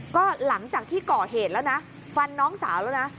ก็หลังจากที่ก่อเหตุแล้วนะฟันน้องสาวแล้วนะ